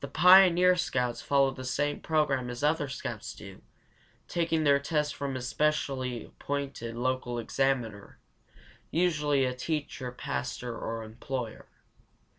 Pioneer Scouts follow the same program as other scouts do, taking their tests from a specially appointed local examiner, usually a teacher, pastor, or employer.